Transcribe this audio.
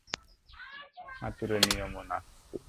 আতুরে নিয়মো নাস্তি।